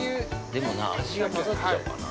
でもな、味が混ざっちゃうかな。